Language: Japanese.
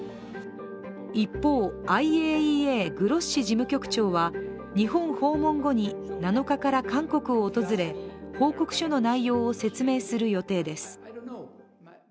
一方、ＩＡＥＡ、グロッシ事務局長は日本訪問後に７日から韓国を訪れ、報告書の内容を説明する予定です。